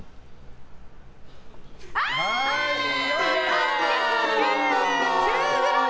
３９９ｇ！